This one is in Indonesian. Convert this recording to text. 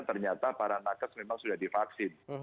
ternyata para nakes memang sudah divaksin